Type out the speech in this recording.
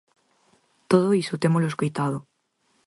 Todo iso témolo escoitado.